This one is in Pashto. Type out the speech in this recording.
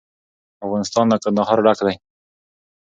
افغانستان له کندهار ډک دی.